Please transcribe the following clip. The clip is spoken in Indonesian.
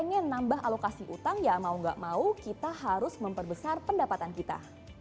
kalau kita pengen nambah alokasi hutang ya mau gak mau kita harus memperbesar pendapatan kita